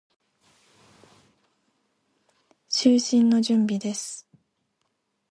就寝の準備です。